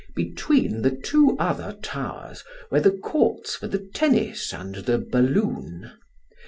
Between the two other towers were the courts for the tennis and the balloon.